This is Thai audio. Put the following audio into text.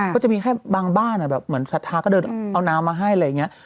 ก็จะมีแค่บางบ้านแบบเหมือนศรัทธาก็เดินเอาน้ำมาให้อะไรอย่างนี้